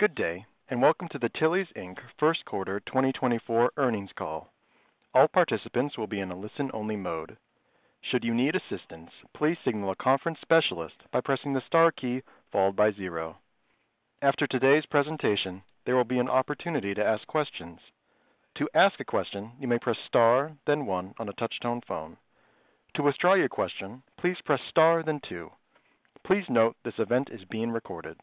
Good day, and welcome to the Tillys, Inc. First Quarter 2024 earnings call. All participants will be in a listen-only mode. Should you need assistance, please signal a conference specialist by pressing the star key followed by zero. After today's presentation, there will be an opportunity to ask questions. To ask a question, you may press star, then one on a touch-tone phone. To withdraw your question, please press star, then two. Please note this event is being recorded.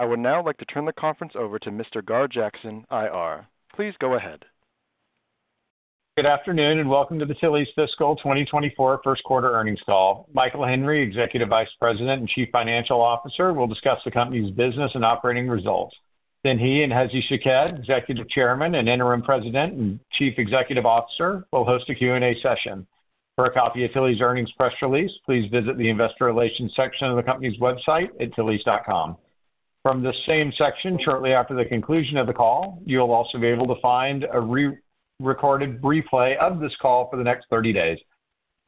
I would now like to turn the conference over to Mr. Gar Jackson, IR. Please go ahead. Good afternoon, and welcome to the Tillys' Fiscal 2024 First Quarter earnings call. Michael Henry, Executive Vice President and Chief Financial Officer, will discuss the company's business and operating results. Then he and Hezy Shaked, Executive Chairman and Interim President and Chief Executive Officer, will host a Q&A session. For a copy of Tillys' earnings press release, please visit the investor relations section of the company's website at tillys.com. From the same section, shortly after the conclusion of the call, you'll also be able to find a re-recorded replay of this call for the next 30 days.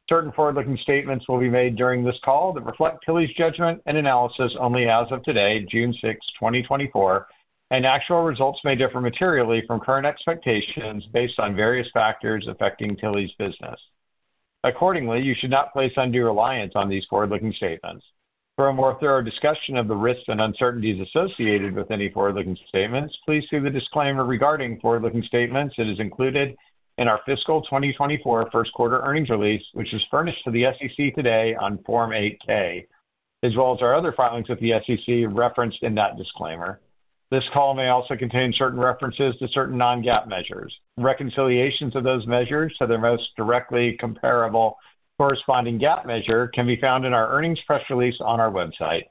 Certain forward-looking statements will be made during this call that reflect Tillys' judgment and analysis only as of today, June 6, 2024, and actual results may differ materially from current expectations based on various factors affecting Tillys' business. Accordingly, you should not place undue reliance on these forward-looking statements. For a more thorough discussion of the risks and uncertainties associated with any forward-looking statements, please see the disclaimer regarding forward-looking statements that is included in our Fiscal 2024 First Quarter earnings release, which is furnished to the SEC today on Form 8-K, as well as our other filings with the SEC referenced in that disclaimer. This call may also contain certain references to certain non-GAAP measures. Reconciliations of those measures to their most directly comparable corresponding GAAP measure can be found in our earnings press release on our website.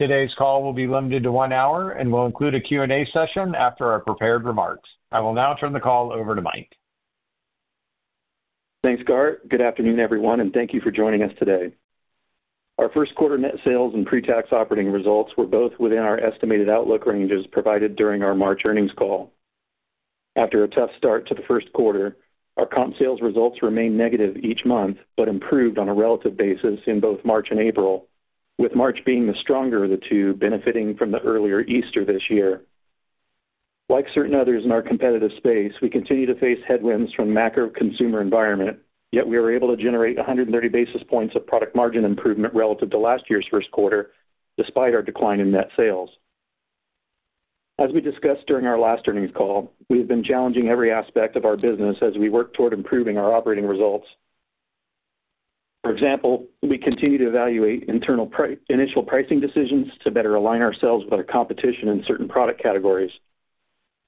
Today's call will be limited to one hour and will include a Q&A session after our prepared remarks. I will now turn the call over to Mike. Thanks, Gar. Good afternoon, everyone, and thank you for joining us today. Our first quarter net sales and pre-tax operating results were both within our estimated outlook ranges provided during our March earnings call. After a tough start to the first quarter, our comp sales results remained negative each month but improved on a relative basis in both March and April, with March being the stronger of the two benefiting from the earlier Easter this year. Like certain others in our competitive space, we continue to face headwinds from the macro consumer environment, yet we were able to generate 130 basis points of product margin improvement relative to last year's first quarter despite our decline in net sales. As we discussed during our last earnings call, we have been challenging every aspect of our business as we work toward improving our operating results. For example, we continue to evaluate internal initial pricing decisions to better align ourselves with our competition in certain product categories.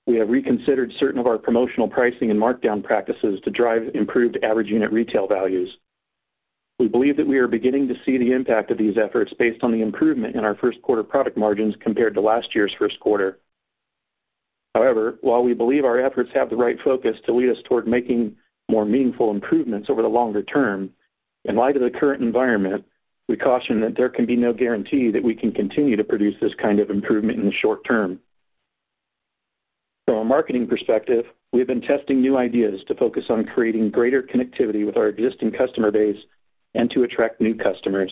We have reconsidered certain of our promotional pricing and markdown practices to drive improved average unit retail values. We believe that we are beginning to see the impact of these efforts based on the improvement in our first quarter product margins compared to last year's first quarter. However, while we believe our efforts have the right focus to lead us toward making more meaningful improvements over the longer term, in light of the current environment, we caution that there can be no guarantee that we can continue to produce this kind of improvement in the short term. From a marketing perspective, we have been testing new ideas to focus on creating greater connectivity with our existing customer base and to attract new customers.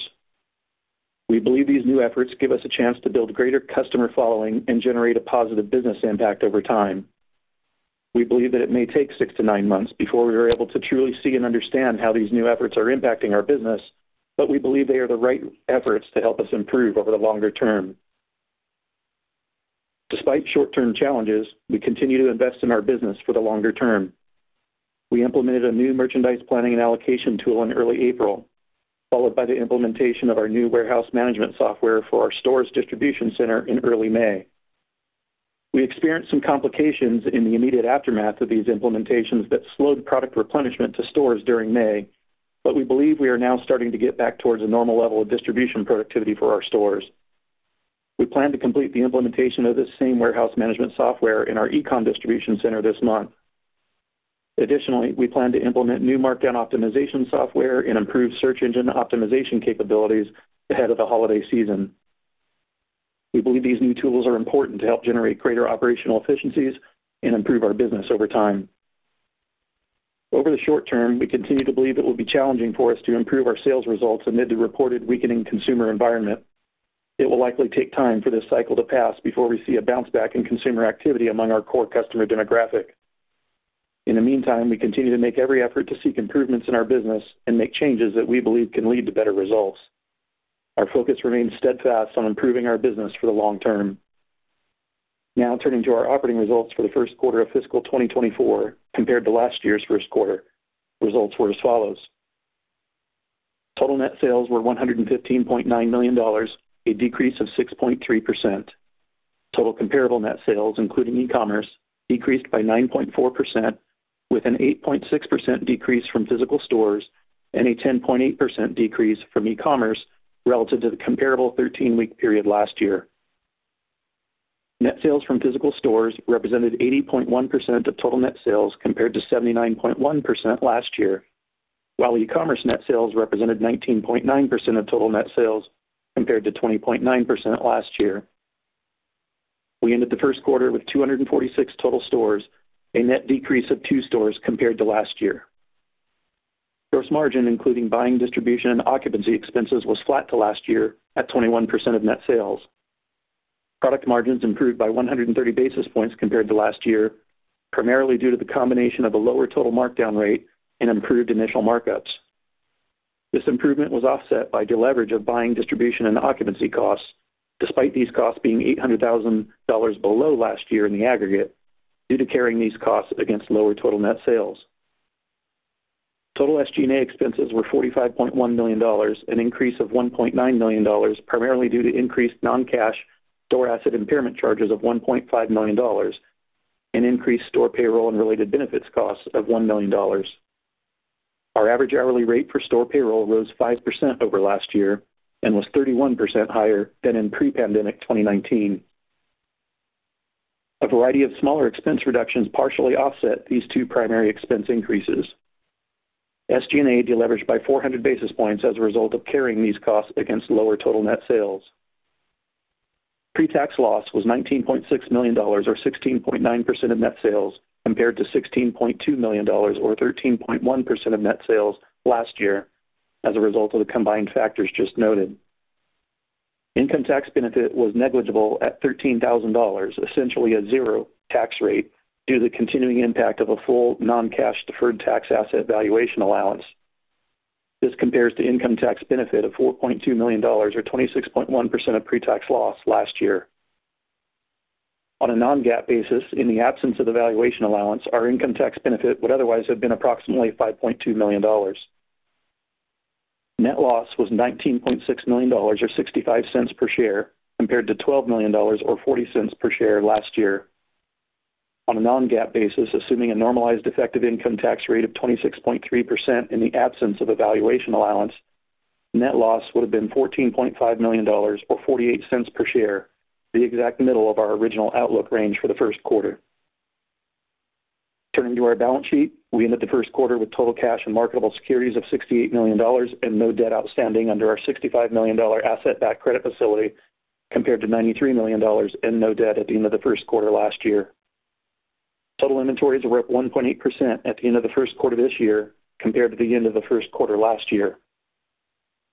We believe these new efforts give us a chance to build greater customer following and generate a positive business impact over time. We believe that it may take 6-9 months before we are able to truly see and understand how these new efforts are impacting our business, but we believe they are the right efforts to help us improve over the longer term. Despite short-term challenges, we continue to invest in our business for the longer term. We implemented a new merchandise planning and allocation tool in early April, followed by the implementation of our new warehouse management software for our stores distribution center in early May. We experienced some complications in the immediate aftermath of these implementations that slowed product replenishment to stores during May, but we believe we are now starting to get back towards a normal level of distribution productivity for our stores. We plan to complete the implementation of this same warehouse management software in our e-com distribution center this month. Additionally, we plan to implement new markdown optimization software and improve search engine optimization capabilities ahead of the holiday season. We believe these new tools are important to help generate greater operational efficiencies and improve our business over time. Over the short term, we continue to believe it will be challenging for us to improve our sales results amid the reported weakening consumer environment. It will likely take time for this cycle to pass before we see a bounce back in consumer activity among our core customer demographic. In the meantime, we continue to make every effort to seek improvements in our business and make changes that we believe can lead to better results. Our focus remains steadfast on improving our business for the long term. Now turning to our operating results for the first quarter of fiscal 2024 compared to last year's first quarter, results were as follows. Total net sales were $115.9 million, a decrease of 6.3%. Total comparable net sales, including e-commerce, decreased by 9.4%, with an 8.6% decrease from physical stores and a 10.8% decrease from e-commerce relative to the comparable 13-week period last year. Net sales from physical stores represented 80.1% of total net sales compared to 79.1% last year, while e-commerce net sales represented 19.9% of total net sales compared to 20.9% last year. We ended the first quarter with 246 total stores, a net decrease of two stores compared to last year. Gross margin, including buying, distribution, and occupancy expenses, was flat to last year at 21% of net sales. Product margins improved by 130 basis points compared to last year, primarily due to the combination of a lower total markdown rate and improved initial markups. This improvement was offset by deleverage of buying distribution and occupancy costs, despite these costs being $800,000 below last year in the aggregate due to carrying these costs against lower total net sales. Total SG&A expenses were $45.1 million, an increase of $1.9 million, primarily due to increased non-cash store asset impairment charges of $1.5 million and increased store payroll and related benefits costs of $1 million. Our average hourly rate for store payroll rose 5% over last year and was 31% higher than in pre-pandemic 2019. A variety of smaller expense reductions partially offset these two primary expense increases. SG&A deleveraged by 400 basis points as a result of carrying these costs against lower total net sales. Pre-tax loss was $19.6 million, or 16.9% of net sales, compared to $16.2 million, or 13.1% of net sales last year as a result of the combined factors just noted. Income tax benefit was negligible at $13,000, essentially a zero tax rate due to the continuing impact of a full non-cash deferred tax asset valuation allowance. This compares to income tax benefit of $4.2 million, or 26.1% of pre-tax loss last year. On a Non-GAAP basis, in the absence of the valuation allowance, our income tax benefit would otherwise have been approximately $5.2 million. Net loss was $19.6 million, or $0.65 per share, compared to $12 million, or $0.40 per share last year. On a non-GAAP basis, assuming a normalized effective income tax rate of 26.3% in the absence of a valuation allowance, net loss would have been $14.5 million, or $0.48 per share, the exact middle of our original outlook range for the first quarter. Turning to our balance sheet, we ended the first quarter with total cash and marketable securities of $68 million and no debt outstanding under our $65 million asset-backed credit facility, compared to $93 million and no debt at the end of the first quarter last year. Total inventories were up 1.8% at the end of the first quarter this year, compared to the end of the first quarter last year.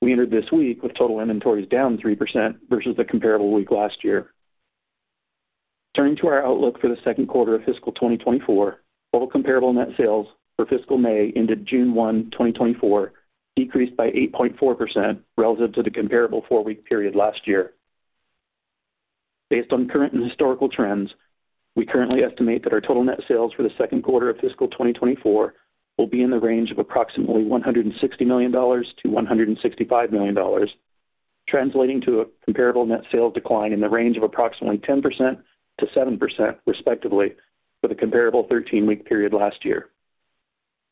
We entered this week with total inventories down 3% versus the comparable week last year. Turning to our outlook for the second quarter of fiscal 2024, total comparable net sales for fiscal May ended June 1, 2024, decreased by 8.4% relative to the comparable four-week period last year. Based on current and historical trends, we currently estimate that our total net sales for the second quarter of fiscal 2024 will be in the range of approximately $160 million-$165 million, translating to a comparable net sales decline in the range of approximately 10%-7%, respectively, for the comparable 13-week period last year.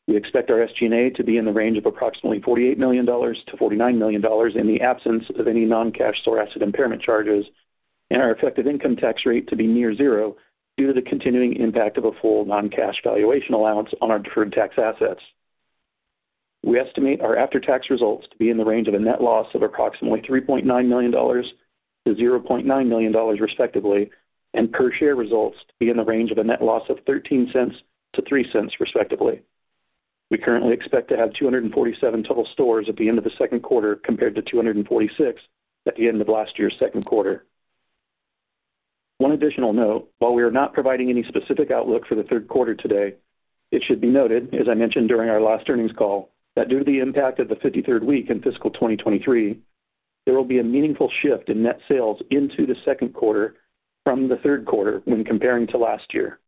We expect our SG&A to be in the range of approximately $48 million-$49 million in the absence of any non-cash store asset impairment charges and our effective income tax rate to be near zero due to the continuing impact of a full non-cash valuation allowance on our deferred tax assets. We estimate our after-tax results to be in the range of a net loss of approximately $3.9 million-$0.9 million, respectively, and per-share results to be in the range of a net loss of $0.13-$0.03, respectively. We currently expect to have 247 total stores at the end of the second quarter compared to 246 at the end of last year's second quarter. One additional note: while we are not providing any specific outlook for the third quarter today, it should be noted, as I mentioned during our last earnings call, that due to the impact of the 53rd week in fiscal 2023, there will be a meaningful shift in net sales into the second quarter from the third quarter when comparing to last year.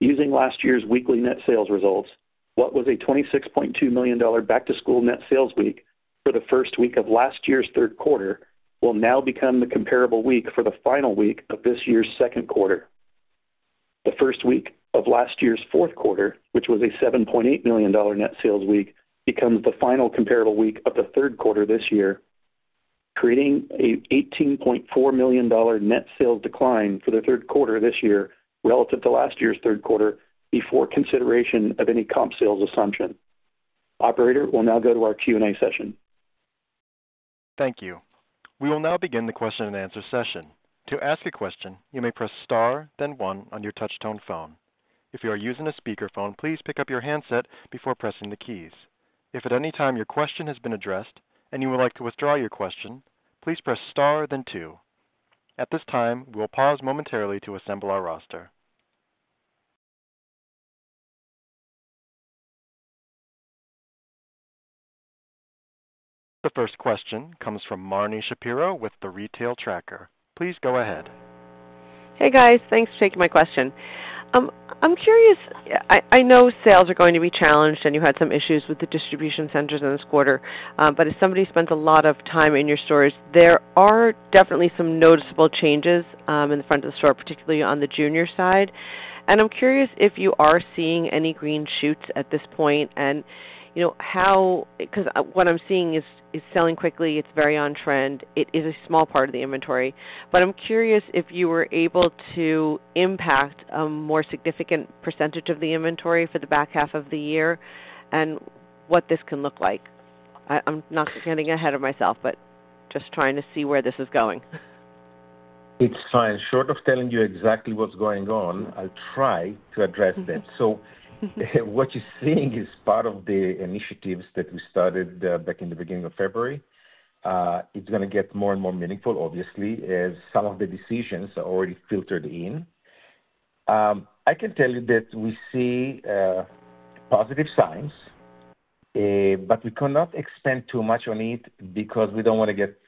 Using last year's weekly net sales results, what was a $26.2 million back-to-school net sales week for the first week of last year's third quarter will now become the comparable week for the final week of this year's second quarter. The first week of last year's fourth quarter, which was a $7.8 million net sales week, becomes the final comparable week of the third quarter this year, creating an $18.4 million net sales decline for the third quarter this year relative to last year's third quarter before consideration of any comp sales assumption. Operator will now go to our Q&A session. Thank you. We will now begin the question and answer session. To ask a question, you may press star, then one on your touch-tone phone. If you are using a speakerphone, please pick up your handset before pressing the keys. If at any time your question has been addressed and you would like to withdraw your question, please press star, then two. At this time, we will pause momentarily to assemble our roster. The first question comes from Marni Shapiro with The Retail Tracker. Please go ahead. Hey, guys. Thanks for taking my question. I'm curious. I know sales are going to be challenged, and you had some issues with the distribution centers in this quarter, but as somebody who spends a lot of time in your stores, there are definitely some noticeable changes in the front of the store, particularly on the junior side. And I'm curious if you are seeing any green shoots at this point and how, because what I'm seeing is selling quickly. It's very on trend. It is a small part of the inventory. But I'm curious if you were able to impact a more significant percentage of the inventory for the back half of the year and what this can look like. I'm not getting ahead of myself, but just trying to see where this is going. It's fine. Short of telling you exactly what's going on, I'll try to address that. So what you're seeing is part of the initiatives that we started back in the beginning of February. It's going to get more and more meaningful, obviously, as some of the decisions are already filtered in. I can tell you that we see positive signs, but we cannot expand too much on it because we don't want to get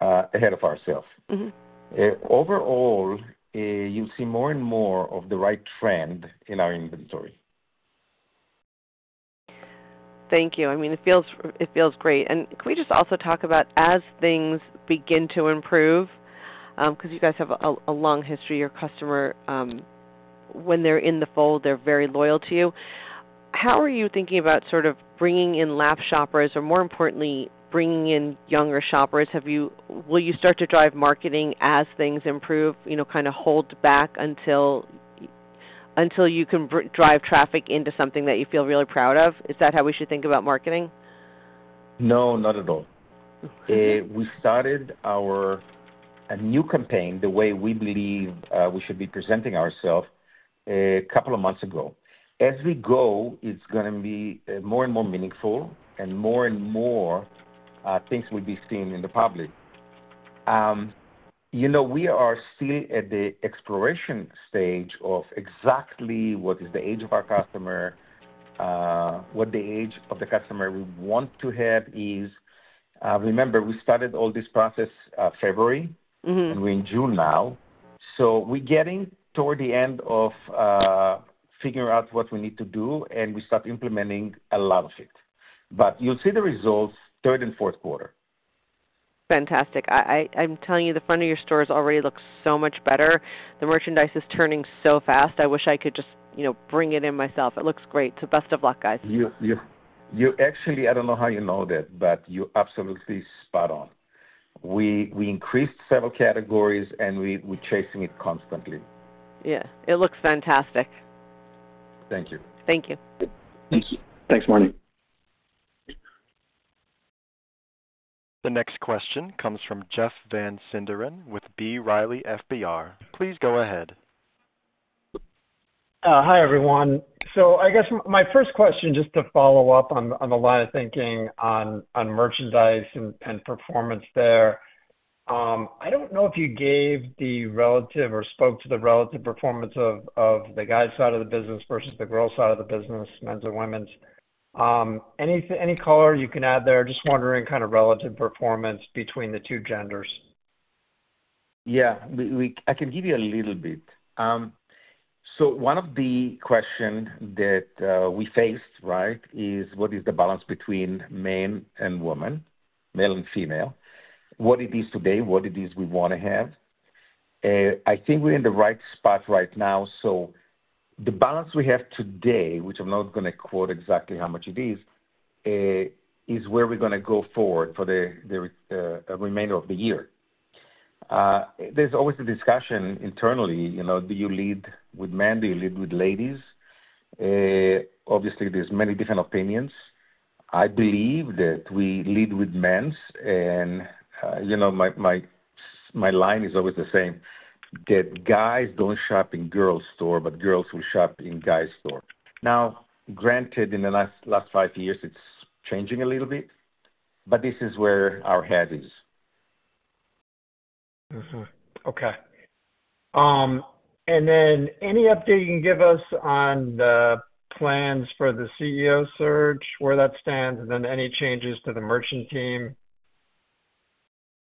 ahead of ourselves. Overall, you'll see more and more of the right trend in our inventory. Thank you. I mean, it feels great. And can we just also talk about as things begin to improve? Because you guys have a long history. Your customer, when they're in the fold, they're very loyal to you. How are you thinking about sort of bringing in lapsed shoppers or, more importantly, bringing in younger shoppers? Will you start to drive marketing as things improve, kind of hold back until you can drive traffic into something that you feel really proud of? Is that how we should think about marketing? No, not at all. We started our new campaign the way we believe we should be presenting ourselves a couple of months ago. As we go, it's going to be more and more meaningful and more and more things will be seen in the public. We are still at the exploration stage of exactly what is the age of our customer, what the age of the customer we want to have is. Remember, we started all this process February, and we're in June now. So we're getting toward the end of figuring out what we need to do, and we start implementing a lot of it. But you'll see the results third and fourth quarter. Fantastic. I'm telling you, the front of your stores already looks so much better. The merchandise is turning so fast. I wish I could just bring it in myself. It looks great. So best of luck, guys. You actually, I don't know how you know that, but you're absolutely spot on. We increased several categories, and we're chasing it constantly. Yeah. It looks fantastic. Thank you. Thank you. Thank you. Thanks, Marni. The next question comes from Jeff Van Sinderen with B. Riley FBR. Please go ahead. Hi, everyone. So I guess my first question, just to follow up on the line of thinking on merchandise and performance there, I don't know if you gave the relative or spoke to the relative performance of the guy's side of the business versus the girl's side of the business, men's and women's. Any color you can add there? Just wondering kind of relative performance between the two genders. Yeah. I can give you a little bit. One of the questions that we faced, right, is what is the balance between men and women, male and female, what it is today, what it is we want to have. I think we're in the right spot right now. The balance we have today, which I'm not going to quote exactly how much it is, is where we're going to go forward for the remainder of the year. There's always a discussion internally. Do you lead with men? Do you lead with ladies? Obviously, there's many different opinions. I believe that we lead with men's. And my line is always the same, that guys don't shop in girls' store, but girls will shop in guys' store. Now, granted, in the last five years, it's changing a little bit, but this is where our head is. Okay. And then any update you can give us on the plans for the CEO search, where that stands, and then any changes to the merchant team?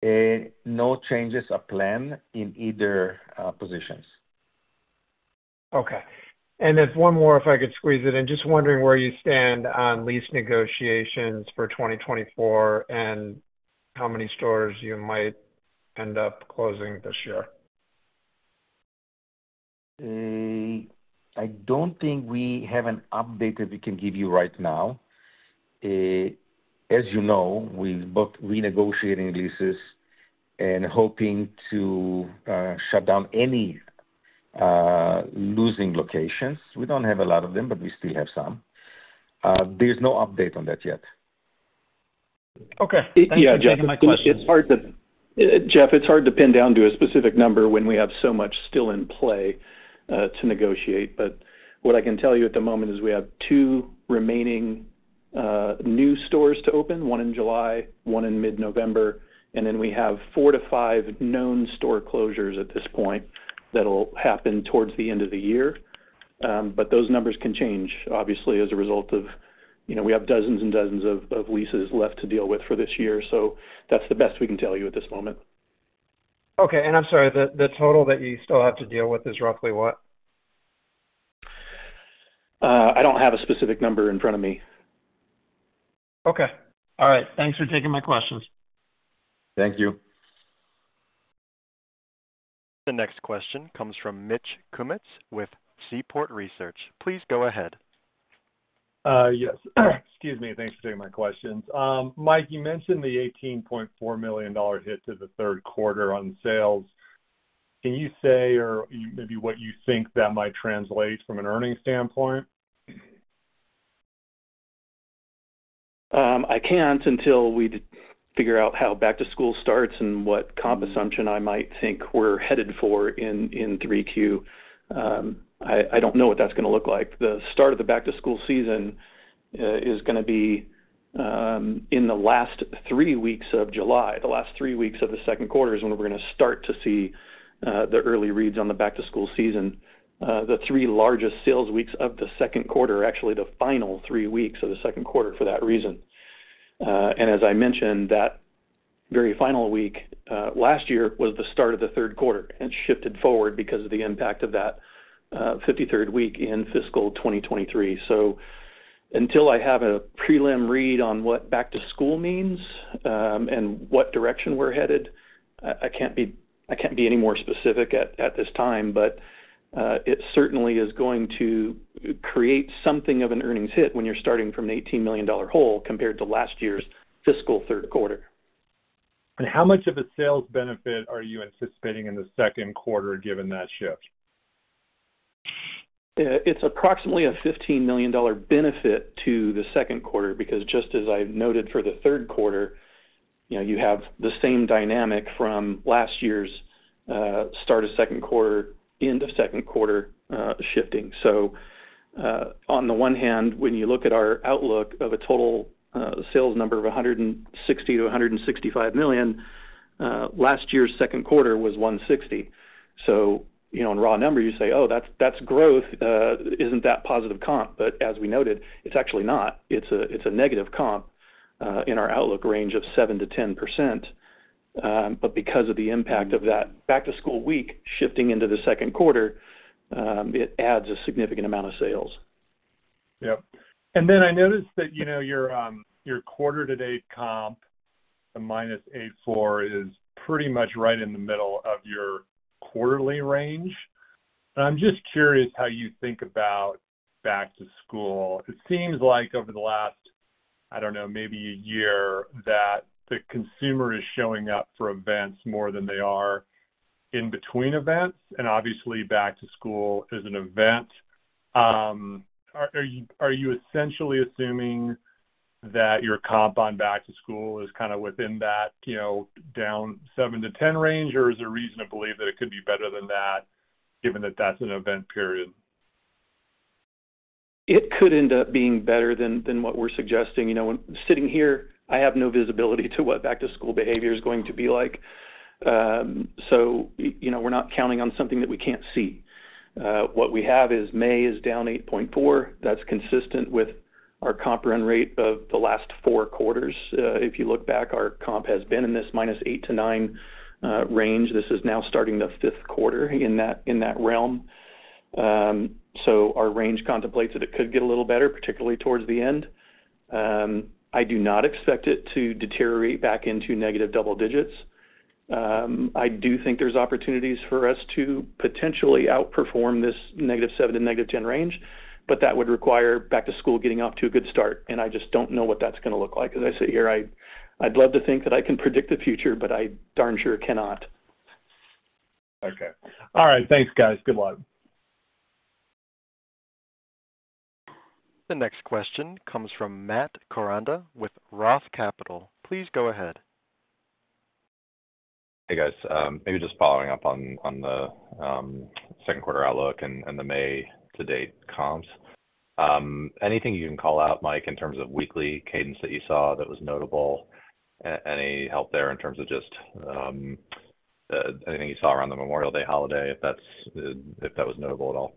No changes are planned in either positions. Okay. And then one more, if I could squeeze it in. Just wondering where you stand on lease negotiations for 2024 and how many stores you might end up closing this year? I don't think we have an update that we can give you right now. As you know, we're both renegotiating leases and hoping to shut down any losing locations. We don't have a lot of them, but we still have some. There's no update on that yet. Okay. Thank you. Yeah, Jeff, it's hard to pin down to a specific number when we have so much still in play to negotiate. But what I can tell you at the moment is we have 2 remaining new stores to open, 1 in July, 1 in mid-November. And then we have 4-5 known store closures at this point that'll happen towards the end of the year. But those numbers can change, obviously, as a result of we have dozens and dozens of leases left to deal with for this year. So that's the best we can tell you at this moment. Okay. I'm sorry, the total that you still have to deal with is roughly what? I don't have a specific number in front of me. Okay. All right. Thanks for taking my questions. Thank you. The next question comes from Mitch Kummetz with Seaport Research. Please go ahead. Yes. Excuse me. Thanks for taking my questions. Mike, you mentioned the $18.4 million hit to the third quarter on sales. Can you say or maybe what you think that might translate from an earnings standpoint? I can't until we figure out how back-to-school starts and what comp assumption I might think we're headed for in 3Q. I don't know what that's going to look like. The start of the back-to-school season is going to be in the last 3 weeks of July. The last 3 weeks of the second quarter is when we're going to start to see the early reads on the back-to-school season. The 3 largest sales weeks of the second quarter are actually the final 3 weeks of the second quarter for that reason. And as I mentioned, that very final week last year was the start of the third quarter. And it shifted forward because of the impact of that 53rd week in fiscal 2023. Until I have a prelim read on what back-to-school means and what direction we're headed, I can't be any more specific at this time, but it certainly is going to create something of an earnings hit when you're starting from an $18 million hole compared to last year's fiscal third quarter. How much of a sales benefit are you anticipating in the second quarter given that shift? It's approximately a $15 million benefit to the second quarter because just as I noted for the third quarter, you have the same dynamic from last year's start of second quarter, end of second quarter shifting. So on the one hand, when you look at our outlook of a total sales number of $160 million-$165 million, last year's second quarter was $160 million. So in raw numbers, you say, "Oh, that's growth. Isn't that positive comp?" But as we noted, it's actually not. It's a negative comp in our outlook range of 7%-10%. But because of the impact of that back-to-school week shifting into the second quarter, it adds a significant amount of sales. Yep. And then I noticed that your quarter-to-date comp, the -8.4, is pretty much right in the middle of your quarterly range. And I'm just curious how you think about back-to-school. It seems like over the last, I don't know, maybe a year that the consumer is showing up for events more than they are in between events. And obviously, back-to-school is an event. Are you essentially assuming that your comp on back-to-school is kind of within that down 7%-10% range, or is there a reason to believe that it could be better than that given that that's an event period? It could end up being better than what we're suggesting. Sitting here, I have no visibility to what back-to-school behavior is going to be like. So we're not counting on something that we can't see. What we have is May is down 8.4%. That's consistent with our comp run rate of the last four quarters. If you look back, our comp has been in this -8% to -9% range. This is now starting the fifth quarter in that realm. So our range contemplates that it could get a little better, particularly towards the end. I do not expect it to deteriorate back into negative double digits. I do think there's opportunities for us to potentially outperform this -7% to -10% range, but that would require back-to-school getting off to a good start. And I just don't know what that's going to look like. As I sit here, I'd love to think that I can predict the future, but I darn sure cannot. Okay. All right. Thanks, guys. Good luck. The next question comes from Matt Koranda with Roth Capital. Please go ahead. Hey, guys. Maybe just following up on the second quarter outlook and the May-to-date comps. Anything you can call out, Mike, in terms of weekly cadence that you saw that was notable? Any help there in terms of just anything you saw around the Memorial Day holiday, if that was notable at all?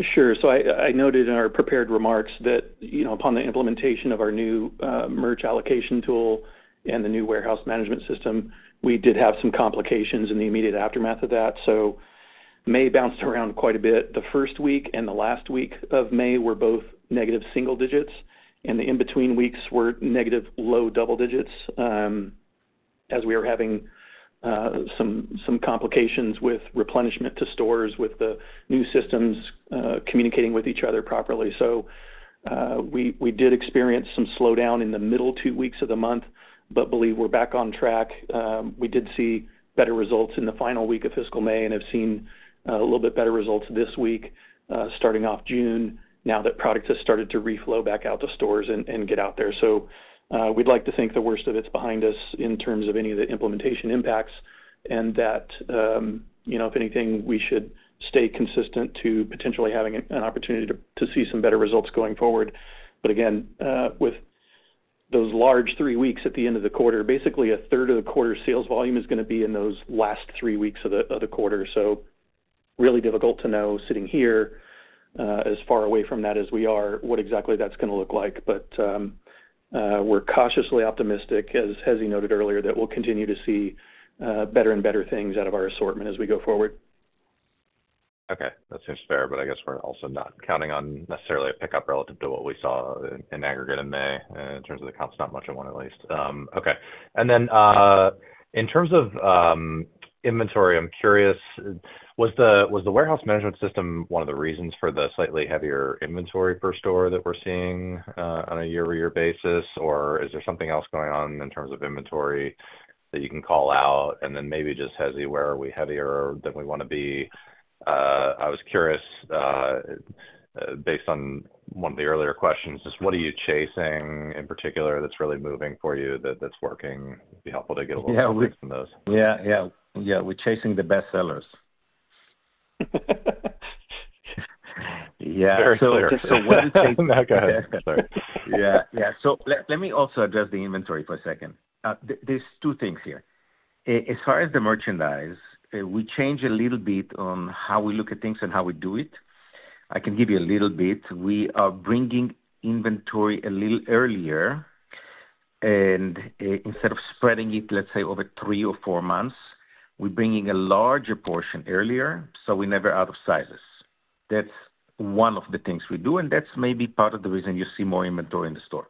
Sure. So I noted in our prepared remarks that upon the implementation of our new merch allocation tool and the new warehouse management system, we did have some complications in the immediate aftermath of that. So May bounced around quite a bit. The first week and the last week of May were both negative single digits, and the in-between weeks were negative low double digits as we were having some complications with replenishment to stores with the new systems communicating with each other properly. So we did experience some slowdown in the middle two weeks of the month, but believe we're back on track. We did see better results in the final week of fiscal May and have seen a little bit better results this week starting off June now that products have started to reflow back out to stores and get out there. So we'd like to think the worst of it's behind us in terms of any of the implementation impacts and that if anything, we should stay consistent to potentially having an opportunity to see some better results going forward. But again, with those large three weeks at the end of the quarter, basically a third of the quarter sales volume is going to be in those last three weeks of the quarter. So really difficult to know sitting here as far away from that as we are what exactly that's going to look like. But we're cautiously optimistic, as Hezy noted earlier, that we'll continue to see better and better things out of our assortment as we go forward. Okay. That seems fair, but I guess we're also not counting on necessarily a pickup relative to what we saw in aggregate in May in terms of the comps, not much of one at least. Okay. And then in terms of inventory, I'm curious, was the warehouse management system one of the reasons for the slightly heavier inventory per store that we're seeing on a year-over-year basis, or is there something else going on in terms of inventory that you can call out? And then maybe just Hezy, where are we heavier than we want to be? I was curious based on one of the earlier questions, just what are you chasing in particular that's really moving for you that's working? It'd be helpful to get a little insight from those. Yeah. Yeah. Yeah. We're chasing the best sellers. Yeah. Very clear. So what is taking? No, go ahead. Sorry. Yeah. Yeah. So let me also address the inventory for a second. There's two things here. As far as the merchandise, we change a little bit on how we look at things and how we do it. I can give you a little bit. We are bringing inventory a little earlier. And instead of spreading it, let's say, over three or four months, we're bringing a larger portion earlier so we're never out of sizes. That's one of the things we do, and that's maybe part of the reason you see more inventory in the store.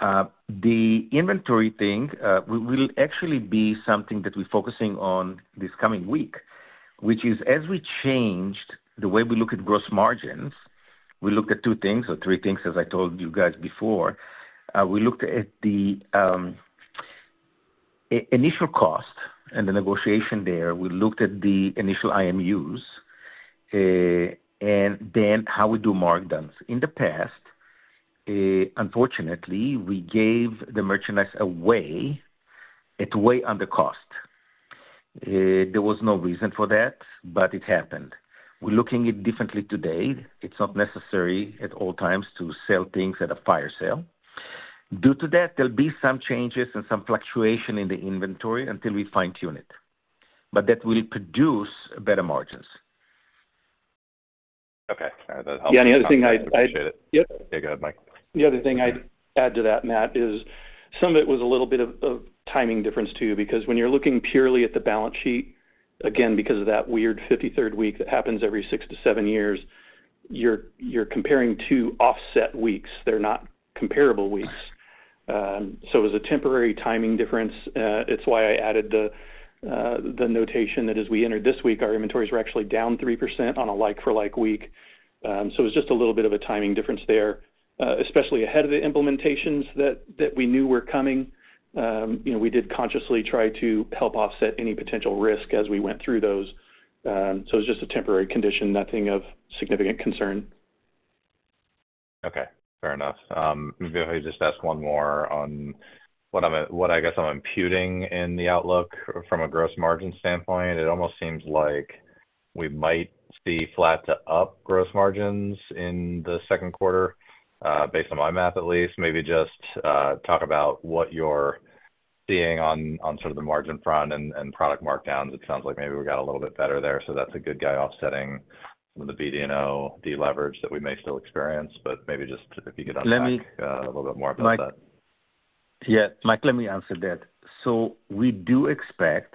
The inventory thing will actually be something that we're focusing on this coming week, which is as we changed the way we look at gross margins, we looked at two things or three things, as I told you guys before. We looked at the initial cost and the negotiation there. We looked at the initial IMUs and then how we do markdowns. In the past, unfortunately, we gave the merchandise away at way under cost. There was no reason for that, but it happened. We're looking at it differently today. It's not necessary at all times to sell things at a fire sale. Due to that, there'll be some changes and some fluctuation in the inventory until we fine-tune it. That will produce better margins. Okay. All right. That helps. Yeah. And the other thing I. I appreciate it. Yep. Yeah. Go ahead, Mike. The other thing I'd add to that, Matt, is some of it was a little bit of timing difference too because when you're looking purely at the balance sheet, again, because of that weird 53rd week that happens every 6-7 years, you're comparing two offset weeks. They're not comparable weeks. So it was a temporary timing difference. It's why I added the notation that as we entered this week, our inventories were actually down 3% on a like-for-like week. So it was just a little bit of a timing difference there, especially ahead of the implementations that we knew were coming. We did consciously try to help offset any potential risk as we went through those. So it was just a temporary condition, nothing of significant concern. Okay. Fair enough. Maybe if I could just ask one more on what I guess I'm imputing in the outlook from a gross margin standpoint. It almost seems like we might see flat-to-up gross margins in the second quarter based on my math at least. Maybe just talk about what you're seeing on sort of the margin front and product markdowns. It sounds like maybe we got a little bit better there. So that's a good guy offsetting some of the BD&O, the leverage that we may still experience. But maybe just if you could unpack a little bit more about that. Yeah. Mike, let me answer that. So we do expect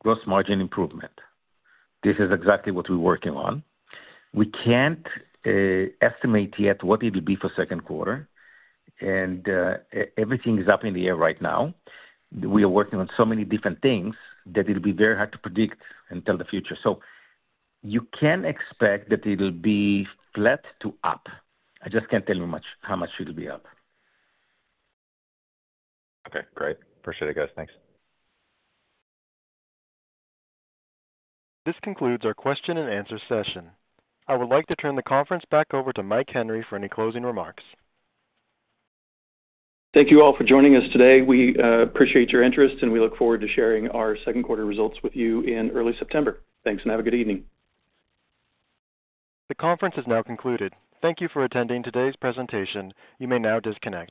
gross margin improvement. This is exactly what we're working on. We can't estimate yet what it will be for second quarter. And everything is up in the air right now. We are working on so many different things that it'll be very hard to predict until the future. So you can expect that it'll be flat to up. I just can't tell you how much it'll be up. Okay. Great. Appreciate it, guys. Thanks. This concludes our question-and-answer session. I would like to turn the conference back over to Mike Henry for any closing remarks. Thank you all for joining us today. We appreciate your interest, and we look forward to sharing our second quarter results with you in early September. Thanks, and have a good evening. The conference is now concluded. Thank you for attending today's presentation. You may now disconnect.